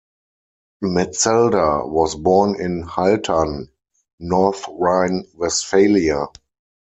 Metzelder was born in Haltern, North Rhine-Westphalia.